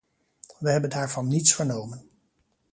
Wij hebben daarvan niets vernomen.